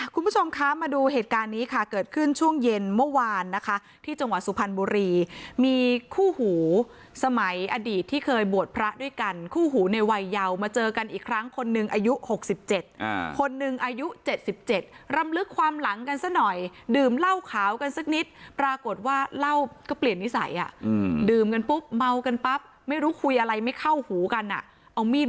คุณผู้ชมคะมาดูเหตุการณ์นี้ค่ะเกิดขึ้นช่วงเย็นเมื่อวานนะคะที่จังหวัดสุพรรณบุรีมีคู่หูสมัยอดีตที่เคยบวชพระด้วยกันคู่หูในวัยเยาว์มาเจอกันอีกครั้งคนหนึ่งอายุหกสิบเจ็ดคนหนึ่งอายุเจ็ดสิบเจ็ดรำลึกความหลังกันซะหน่อยดื่มเหล้าขาวกันสักนิดปรากฏว่าเหล้าก็เปลี่ยนนิสัยอ่ะอืมด